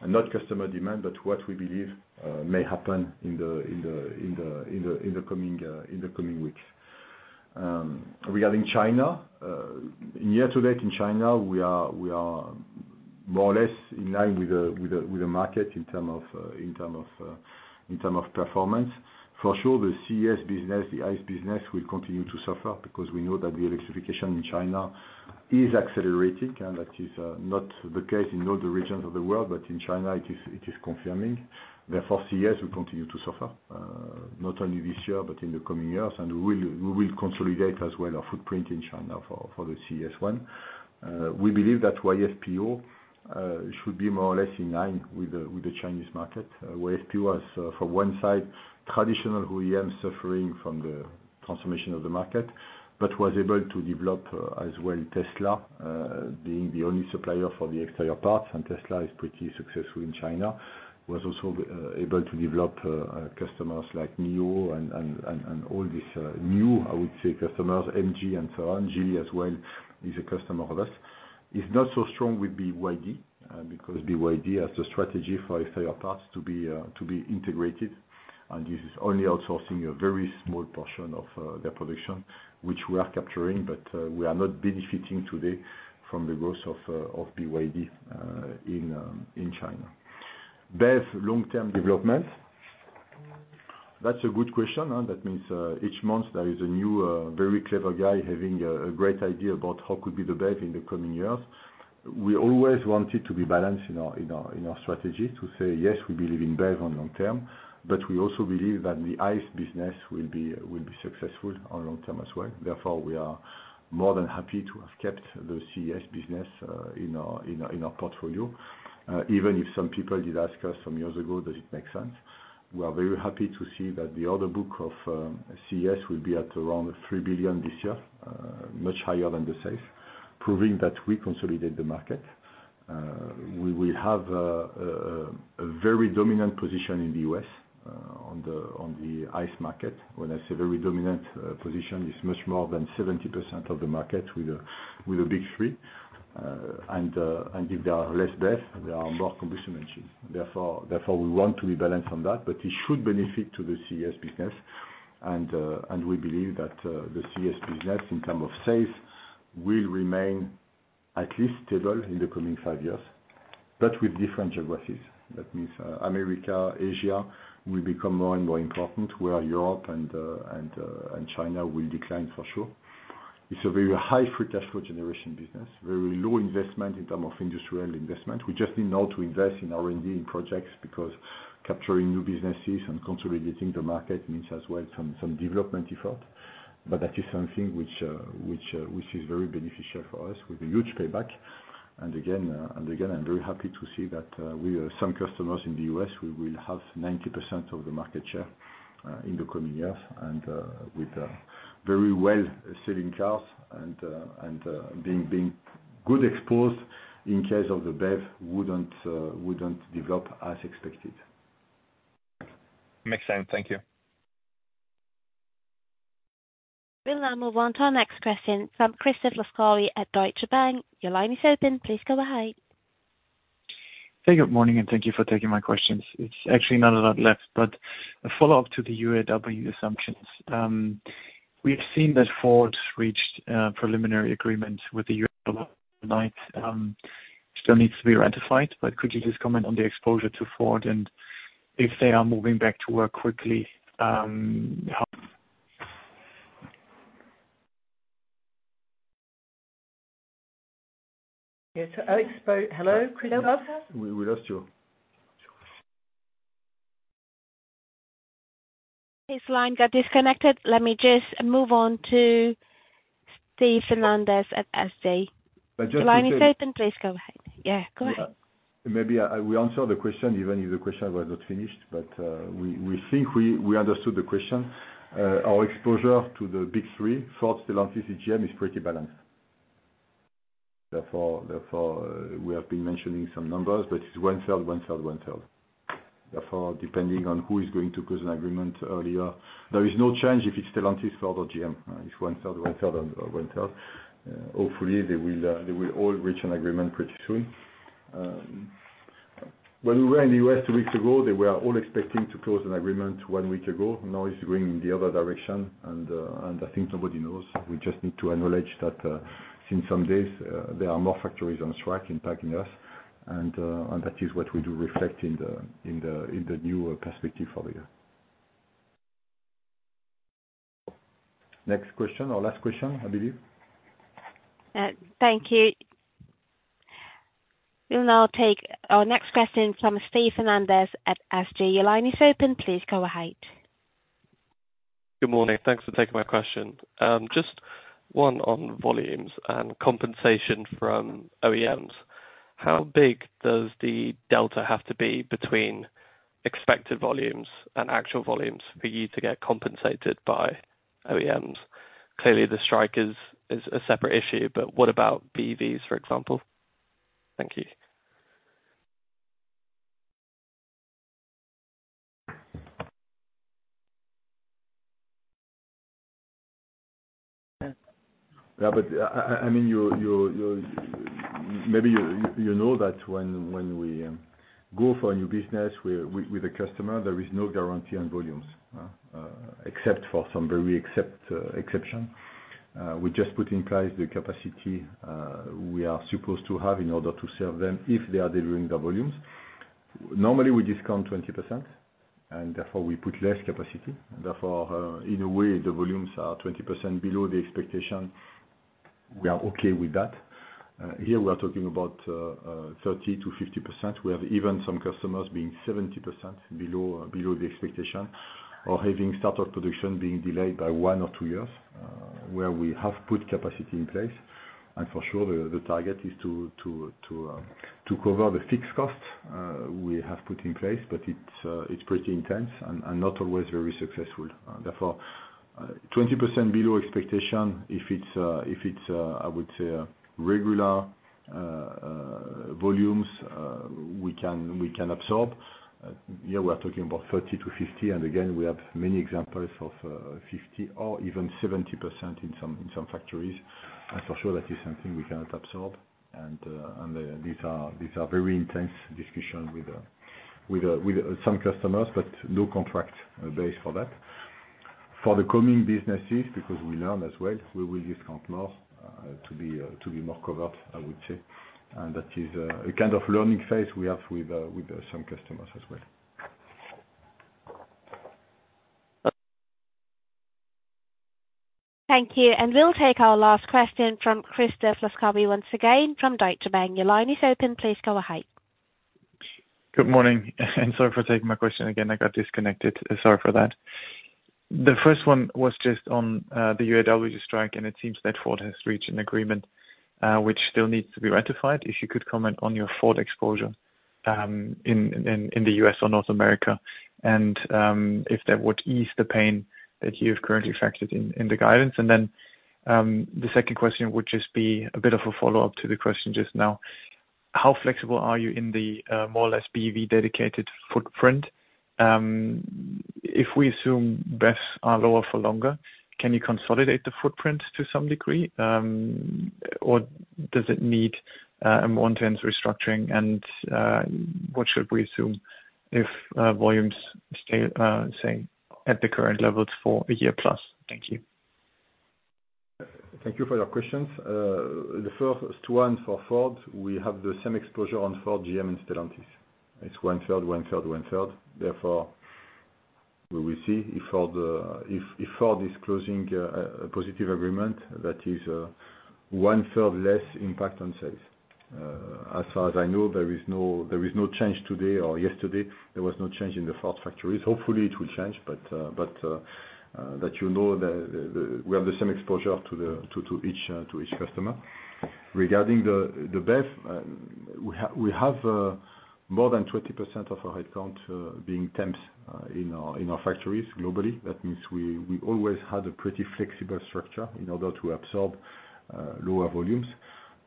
and not customer demand, but what we believe may happen in the coming weeks. Regarding China, year to date in China, we are more or less in line with the market in terms of performance. For sure, the CES business, the ICE business, will continue to suffer because we know that the electrification in China is accelerating, and that is not the case in all the regions of the world. But in China, it is confirming. Therefore, CES will continue to suffer, not only this year, but in the coming years. And we will consolidate as well our footprint in China for the CES one. We believe that YFPO should be more or less in line with the Chinese market. YFPO was, from one side, traditional OEM, suffering from the transformation of the market, but was able to develop, as well, Tesla, being the only supplier for the exterior parts, and Tesla is pretty successful in China. Was also able to develop customers like NIO and all these new, I would say, customers, MG and so on. GM as well, is a customer of us. It's not so strong with BYD, because BYD has the strategy for exterior parts to be integrated, and this is only outsourcing a very small portion of their production, which we are capturing, but we are not benefiting today from the growth of BYD in China. BEV long-term development, that's a good question, huh? That means, each month there is a new, very clever guy having a great idea about how could be the BEV in the coming years. We always want it to be balanced in our strategy, to say, "Yes, we believe in BEV on long term," but we also believe that the ICE business will be successful on long term as well. Therefore, we are more than happy to have kept the CES business, in our portfolio. Even if some people did ask us some years ago, "Does it make sense?" We are very happy to see that the order book of CES will be at around 3 billion this year, much higher than the sales, proving that we consolidate the market. We have a very dominant position in the U.S. on the ICE market. When I say very dominant position, it's much more than 70% of the market with the Big Three. And if there are less BEV, there are more combustion engine. Therefore, we want to be balanced on that, but it should benefit to the CES business. And we believe that the CES business, in term of sales, will remain at least stable in the coming five years, but with different geographies. That means America, Asia will become more and more important, where Europe and China will decline for sure. It's a very high free cash flow generation business, very low investment in term of industrial investment. We just need now to invest in R&D projects, because capturing new businesses and consolidating the market means as well, some development effort. But that is something which is very beneficial for us, with a huge payback. And again, I'm very happy to see that we have some customers in the U.S., we will have 90% of the market share in the coming years, and with very well-selling cars and being good exposed in case of the BEV wouldn't develop as expected. Makes sense. Thank you. We'll now move on to our next question from Christoph Laskawi at Deutsche Bank. Your line is open. Please go ahead. Hey, good morning, and thank you for taking my questions. It's actually not a lot left, but a follow-up to the UAW assumptions. We've seen that Ford reached a preliminary agreement with the UAW last night, which still needs to be ratified, but could you just comment on the exposure to Ford, and if they are moving back to work quickly, how- Yeah. So Alex, hello, Christoph? We lost you. His line got disconnected. Let me just move on to Stephen Reitman at S.G. Just to say- The line is open. Please go ahead. Yeah, go ahead. Maybe I will answer the question, even if the question was not finished, but we think we understood the question. Our exposure to the Big Three, Ford, Stellantis, GM, is pretty balanced. Therefore, we have been mentioning some numbers, but it's one-third, one-third, one-third. Therefore, depending on who is going to close an agreement earlier, there is no change if it's Stellantis, Ford or GM. It's one-third, one-third, and one-third. Hopefully, they will all reach an agreement pretty soon. When we were in the U.S. two weeks ago, they were all expecting to close an agreement one week ago. Now it's going in the other direction, and I think nobody knows. We just need to acknowledge that, since some days, there are more factories on strike impacting us, and that is what we do reflect in the new perspective for the year. Next question, or last question, I believe. Thank you. We'll now take our next question from Stephen Reitman at S.G.. Your line is open. Please go ahead. Good morning. Thanks for taking my question. Just one on volumes and compensation from OEMs. How big does the delta have to be between expected volumes and actual volumes for you to get compensated by OEMs? Clearly, the strike is a separate issue, but what about BEVs, for example? Thank you. Yeah, but I mean, you know that when we go for a new business with a customer, there is no guarantee on volumes, except for some exception. We just put in place the capacity we are supposed to have in order to serve them, if they are delivering the volumes. Normally, we discount 20%, and therefore we put less capacity. Therefore, in a way, the volumes are 20% below the expectation. We are okay with that. Here we are talking about 30%-50%. We have even some customers being 70% below the expectation, or having start of production being delayed by one or two years, where we have put capacity in place. And for sure, the target is to cover the fixed costs we have put in place, but it's pretty intense and not always very successful. Therefore, 20% below expectation, if it's regular volumes, we can absorb. Here, we are talking about 30-50, and again, we have many examples of 50% or even 70% in some factories. And for sure, that is something we cannot absorb. And these are very intense discussions with some customers, but no contract basis for that. For the coming businesses, because we learn as well, we will discount more to be more covered, I would say. That is a kind of learning phase we have with some customers as well. Thank you. We'll take our last question from Christoph Laskawi, once again, from Deutsche Bank. Your line is open. Please go ahead. Good morning, and sorry for taking my question again. I got disconnected. Sorry for that. The first one was just on the UAW strike, and it seems that Ford has reached an agreement, which still needs to be ratified. If you could comment on your Ford exposure in the U.S. or North America, and if that would ease the pain that you've currently factored in, in the guidance? And then the second question would just be a bit of a follow-up to the question just now. How flexible are you in the more or less BEV-dedicated footprint? If we assume BEVs are lower for longer, can you consolidate the footprint to some degree, or does it need a more intense restructuring? What should we assume if volumes stay same at the current levels for a year plus? Thank you. Thank you for your questions. The first one for Ford, we have the same exposure on Ford, GM, and Stellantis. It's one-third, one-third, one-third. Therefore, we will see if Ford is closing a positive agreement, that is, one-third less impact on sales. As far as I know, there is no change today or yesterday. There was no change in the Ford factories. Hopefully, it will change, but you know, we have the same exposure to each customer. Regarding the BEV, we have more than 20% of our headcount being temps in our factories globally. That means we always had a pretty flexible structure in order to absorb lower volumes.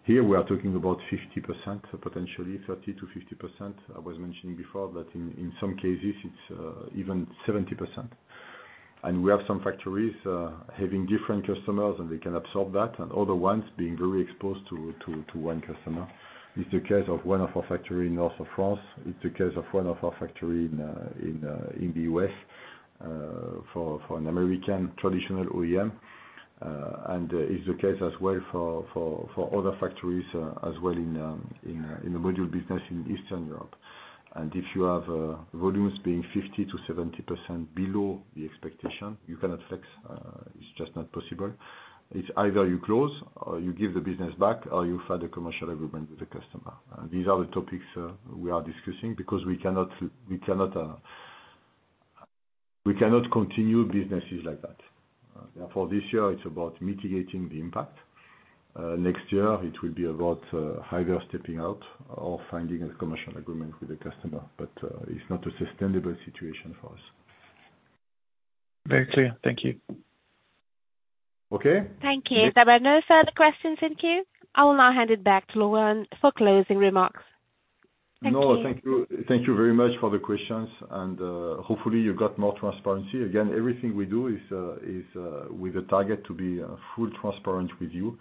Here, we are talking about 50%, so potentially 30%-50%. I was mentioning before that in some cases it's even 70%. And we have some factories having different customers, and they can absorb that, and other ones being very exposed to one customer. It's the case of one of our factory in north of France. It's the case of one of our factory in the U.S., for an American traditional OEM. And it's the case as well for other factories as well in the module business in Eastern Europe. And if you have volumes being 50%-70% below the expectation, you cannot fix, it's just not possible. It's either you close, or you give the business back, or you find a commercial agreement with the customer. These are the topics we are discussing, because we cannot continue businesses like that. Therefore, this year it's about mitigating the impact. Next year it will be about either stepping out or finding a commercial agreement with the customer, but it's not a sustainable situation for us. Very clear. Thank you. Okay. Thank you. There are no further questions in queue. I will now hand it back to Laurent for closing remarks. Thank you. No, thank you. Thank you very much for the questions, and hopefully, you got more transparency. Again, everything we do is with the target to be full transparent with you,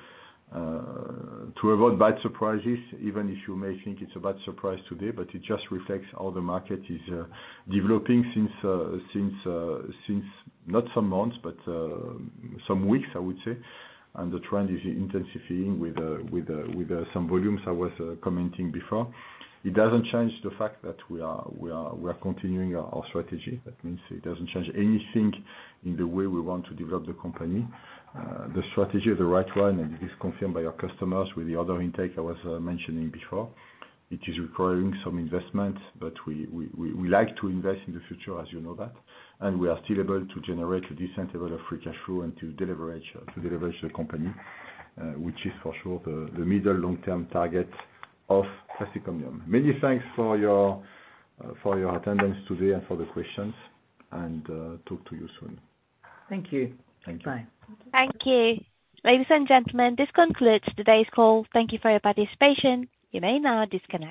to avoid bad surprises, even if you may think it's a bad surprise today, but it just reflects how the market is developing since not some months, but some weeks, I would say. And the trend is intensifying with some volumes I was commenting before. It doesn't change the fact that we are continuing our strategy. That means it doesn't change anything in the way we want to develop the company. The strategy is the right one, and it is confirmed by our customers with the order intake I was mentioning before. It is requiring some investment, but we like to invest in the future, as you know that. We are still able to generate a decent level of free cash flow and to deleverage the company, which is for sure the middle long-term target of Plastic Omnium. Many thanks for your attendance today and for the questions, and talk to you soon. Thank you. Thank you. Bye. Thank you. Ladies and gentlemen, this concludes today's call. Thank you for your participation. You may now disconnect.